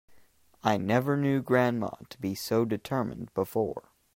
I never knew grandma to be so determined before.